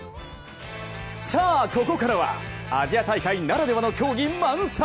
さあ、ここからはアジア大会ならではの競技が満載！